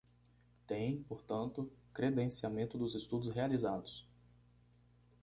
Tem, portanto, credenciamento dos estudos realizados.